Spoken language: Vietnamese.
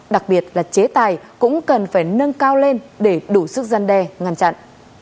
đặc biệt là chế tài cũng cần phải nâng cao lên để đủ sức gian đe ngăn chặn